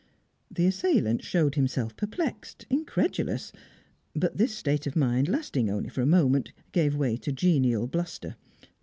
The assailant showed himself perplexed, incredulous. But this state of mind, lasting only for a moment, gave way to genial bluster.